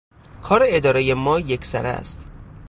کار ادارهٔ ما یک سره است.